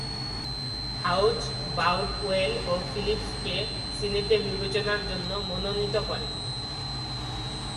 House Boutwell ও ফিলিপসকে সিনেটে বিবেচনার জন্য মনোনীত করে।